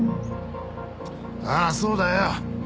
ああそうだよ！